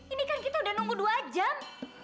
ini kan kita udah nunggu dua jam